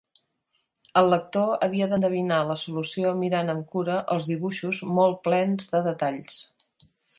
El lector havia d'endevinar la solució mirant amb cura els dibuixos molt plens de detalls.